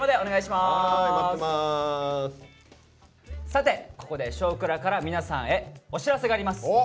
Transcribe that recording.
さてここで「少クラ」から皆さんへお知らせがあります。